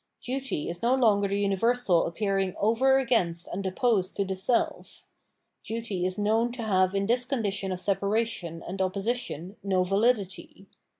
Duty is no longer the uni versal appearing over against and opposed to the self ; duty is known to have in this condition of separation and opposition no vahdity.